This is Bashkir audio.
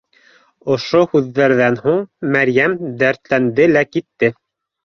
Ошо һүҙҙәрҙән һуң Мәрйәм дәртләнде лә китте